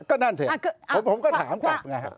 ก็นั่นเถอะผมก็ถามก่อนไงครับ